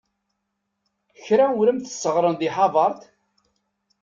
Kra ur am-t-sseɣren deg Havard?